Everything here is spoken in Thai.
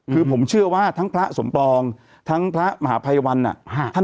คือผมเชื่อว่าทั้งพระสมปองทั้งพระมหาภัยวัน